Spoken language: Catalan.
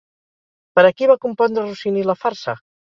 Per a qui va compondre Rossini la farsa?